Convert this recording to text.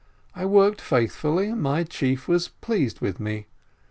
I worked faithfully, and my chief was pleased with me.